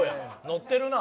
ノってるな。